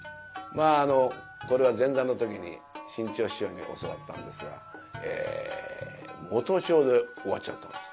まあこれは前座の時に志ん朝師匠に教わったんですが元帳で終わっちゃったんです。